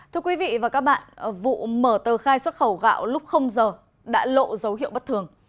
thưa quý vị và các bạn vụ mở tờ khai xuất khẩu gạo lúc giờ đã lộ dấu hiệu bất thường